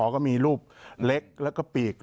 ก็มีรูปเล็กแล้วก็ปีก